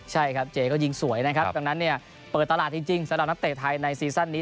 ใช่ครับเจก็ยิงสวยนะครับดังนั้นเนี่ยเปิดตลาดจริงสำหรับนักเตะไทยในซีซั่นนี้